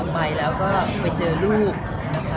ไปแล้วก็ไปเจอลูกนะคะ